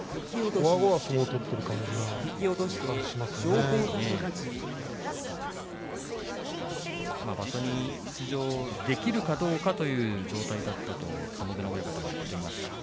こわごわ相撲を取っている感じが場所に出場できるかどうかという状態だったと友綱親方も言ってました。